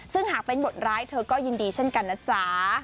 ซึ่งหากเป็นบทร้ายเธอก็ยินดีเช่นกันนะจ๊ะ